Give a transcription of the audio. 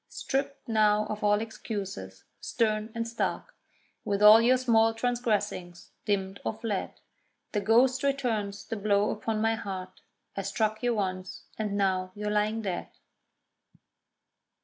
Stript now of all excuses, stern and stark, With all your small transgressings dimmed or fled, The ghost returns the blow upon my heart I struck you once—and now you're lying dead.